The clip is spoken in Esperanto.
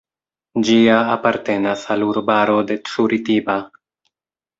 Ĝia apartenas al urbaro de Curitiba.